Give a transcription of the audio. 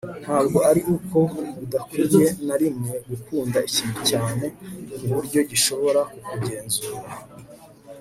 ntabwo ari uko udakwiye na rimwe gukunda ikintu cyane ku buryo gishobora kukugenzura